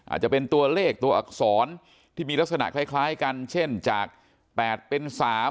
อาจจะเป็นตัวเลขตัวอักษรที่มีลักษณะคล้ายกันเช่นจาก๘เป็น๓